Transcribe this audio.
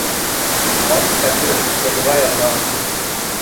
Ҡарт хәтер боҙға яҙған.